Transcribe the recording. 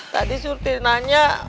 tadi surti nanya